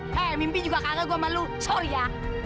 hei mimpi juga kaget gue sama lo sorry ya